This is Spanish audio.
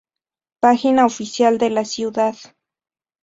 Página oficial de la ciudad